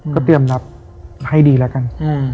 ก็เตรียมรับให้ดีแล้วกัน